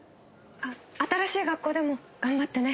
新しい学校でも頑張ってね。